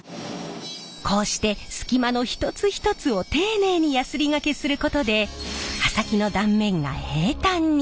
こうして隙間の一つ一つを丁寧にヤスリがけすることで刃先の断面が平たんに。